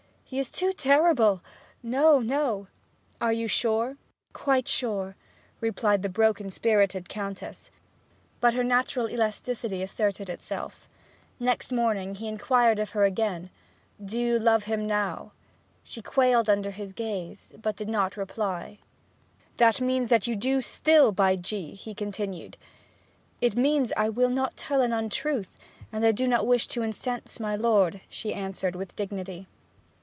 'He is too terrible no, no!' 'You are sure?' 'Quite sure!' replied the poor broken spirited Countess. But her natural elasticity asserted itself. Next morning he again inquired of her: 'Do you love him now?' She quailed under his gaze, but did not reply. 'That means that you do still, by G !' he continued. 'It means that I will not tell an untruth, and do not wish to incense my lord,' she answered, with dignity.